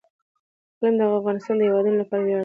اقلیم د افغانستان د هیوادوالو لپاره ویاړ دی.